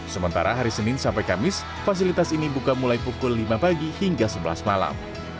sementara hari senin sampai kamis fasilitas ini buka mulai pukul lima pagi hingga sebelas malam